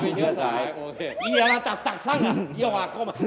เงี่ยตักซักอ่ะเง๋ววากเข้ามา